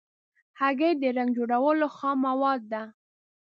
هګۍ د رنګ جوړولو خام مواد ده.